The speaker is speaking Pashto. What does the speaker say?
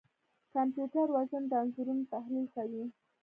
کمپیوټر وژن د انځورونو تحلیل کوي.